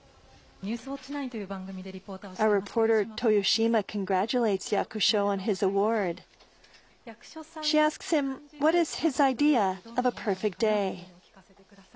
ニュースウオッチ９という番組でリポーターをしています、豊島と申します。